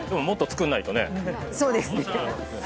そうですね。